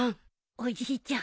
おじいちゃん